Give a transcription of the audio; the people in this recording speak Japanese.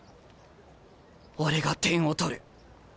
俺が点を取る。